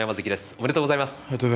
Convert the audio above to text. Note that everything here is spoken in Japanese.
おめでとうございます。